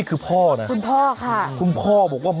ขอบคุณครับขอบคุณครับ